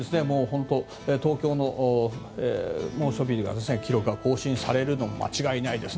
東京も猛暑日の記録が更新されるのは間違いないです。